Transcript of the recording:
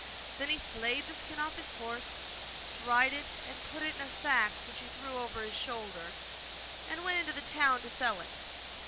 Then he flayed the skin off his horse, dried it, and put it in a sack, which he threw over his shoulder, and went into the town to sell it.